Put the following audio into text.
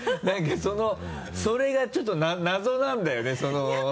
何かそのそれがちょっと謎なんだよね。